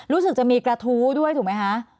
รู้สึกจะมีกระทู้ด้วยถูกไหมคะ